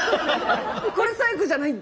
これ最後じゃない？